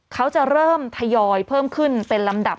เขาจะเริ่มทยอยเพิ่มขึ้นเป็นลำดับ